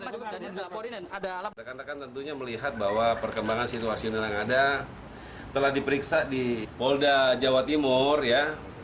rekan rekan tentunya melihat bahwa perkembangan situasional yang ada telah diperiksa di polda jawa timur ya